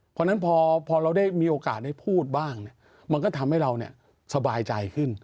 เพราะฉะนั้นพอเราได้มีโอกาสได้พูดบ้างมันก็ทำให้เราสบายใจขึ้น